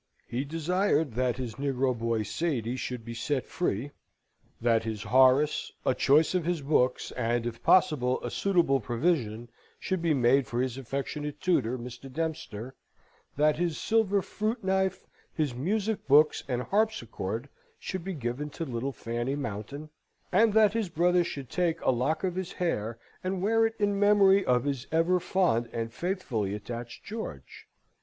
He desired that his negro boy, Sady, should be set free; that his Horace, a choice of his books, and, if possible, a suitable provision should be made for his affectionate tutor, Mr. Dempster; that his silver fruit knife, his music books, and harpsichord, should be given to little Fanny Mountain; and that his brother should take a lock of his hair, and wear it in memory of his ever fond and faithfully attached George.